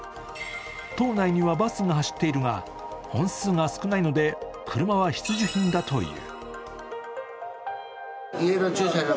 島内にはバスが走っているが、本数が少ないので車は必需品だという。